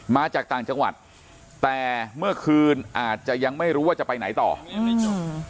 มาจากต่างจังหวัดแต่เมื่อคืนอาจจะยังไม่รู้ว่าจะไปไหนต่อยังไม่จบ